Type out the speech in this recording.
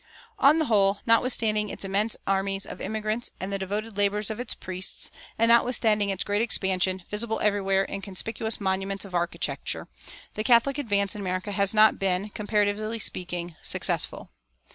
On the whole, notwithstanding its immense armies of immigrants and the devoted labors of its priests, and notwithstanding its great expansion, visible everywhere in conspicuous monuments of architecture, the Catholic advance in America has not been, comparatively speaking, successful.